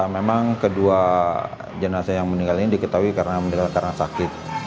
memang kedua jenazah yang meninggal ini diketahui karena meninggal karena sakit